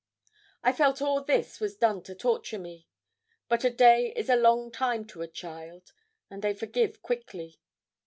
I felt all this was done to torture me. But a day is a long time to a child, and they forgive quickly.